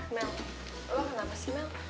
mel lo kenapa sih mel